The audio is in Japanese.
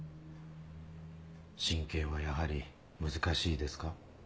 親権はやはり難しいですか？